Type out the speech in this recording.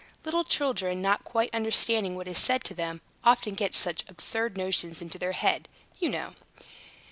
Little children, not quite understanding what is said to them, often get such absurd notions into their heads, you know.